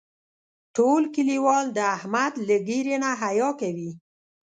ټول کلیوال د احمد له ږیرې نه حیا کوي.